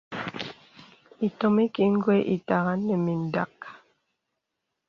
Itɔ̀m iki gwe ìtàghà nə mìndàk.